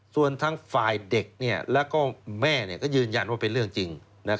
ส่วนทั้งฝ่ายเด็กแล้วก็แม่ก็ยืนยันว่าเป็นเรื่องจริง